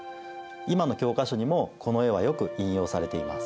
今の教科書にもこの絵はよく引用されています。